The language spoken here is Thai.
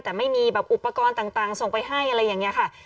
แต่ไม่มีแบบอุปกรณ์ต่างส่งไปให้อะไรอย่างนี้ค่ะ